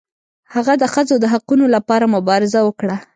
هغه د ښځو د حقونو لپاره مبارزه وکړه.